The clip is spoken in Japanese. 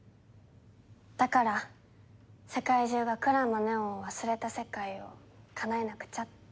だから世界中が鞍馬祢音を忘れた世界をかなえなくちゃって。